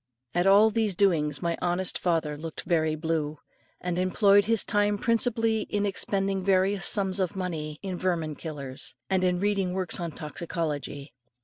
At all these doings my honest father looked very blue, and employed his time principally in expending various sums of money in vermin killers, and in reading works on toxicology.